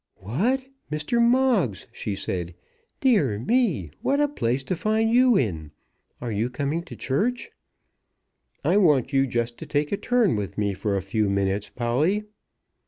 "What, Mr. Moggs!" she said. "Dear me, what a place to find you in! Are you coming to church?" "I want you just to take a turn with me for a few minutes, Polly."